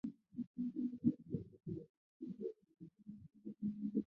王秉鋆人。